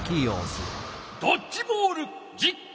ドッジボール実行！